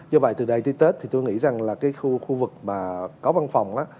do vậy từ đây tới tết tôi nghĩ là khu vực có văn phòng